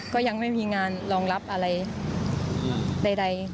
ก็ยังไม่มีงานรองรับอะไรใด